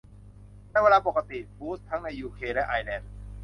ในเวลาปกติ บูตส์ทั้งในยูเคและไอร์แลนด์